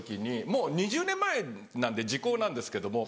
もう２０年前なんで時効なんですけども。